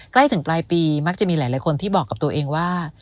ใกล้ถึงปลายปีมักจะมีหลายคนที่บอกกับตัวเองว่า